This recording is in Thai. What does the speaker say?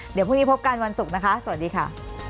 เดี๋ยวพรุ่งนี้พบกันวันศุกร์นะคะสวัสดีค่ะ